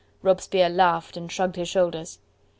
Robespierre laughed and shrugged his shoulders.